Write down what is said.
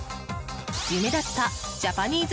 夢だったジャパニーズ